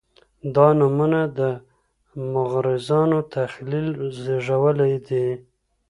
دا نومونه د مغرضانو تخیل زېږولي دي.